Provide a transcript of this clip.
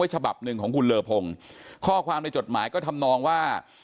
ฉบับหนึ่งของคุณเลอพงศ์ข้อความในจดหมายก็ทำนองว่า